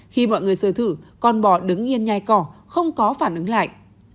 khi mọi người sơ thử con bò đứng yên nhai cỏ không có phản ứng lại